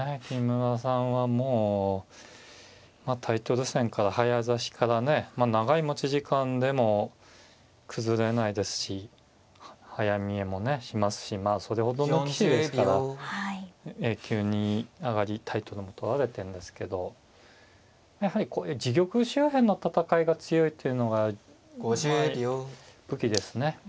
木村さんはもうタイトル戦から早指しからね長い持ち時間でも崩れないですし早見えもねしますしまあそれほどの棋士ですからＡ級に上がりタイトルも取られてるんですけどやはりこういう自玉周辺の戦いが強いというのが武器ですね。